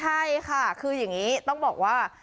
ใช่ค่ะคืออย่างนี้ต้องบอกว่า